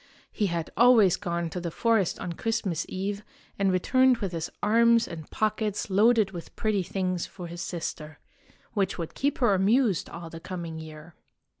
He had always gone to the forest on Christmas Eve and returned with his arms and pockets loaded with pretty things for his sister, which would keep her amused all the coming year.